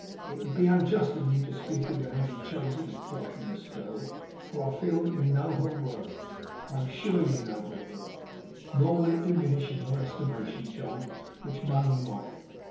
It would be unjust to you to speak of your having chosen a portionless girl, for I feel that you know her worth; I am sure you know her worth. Nor will it diminish in your estimation, John, which money might.